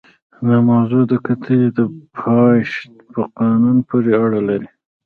دا موضوع د کتلې د پایښت په قانون پورې اړه لري.